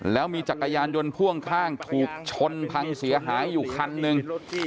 แล้วมีจักรยานยนต์พ่วงข้างถูกชนพังเสียหายอยู่คันหนึ่ง